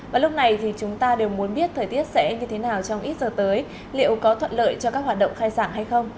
và lúc này thì chúng ta đều muốn biết thời tiết sẽ như thế nào trong ít giờ tới liệu có thuận lợi cho các hoạt động khai giảng hay không